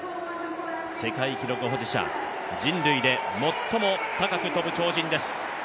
世界記録保持者、人類で最も高く跳ぶ鳥人です。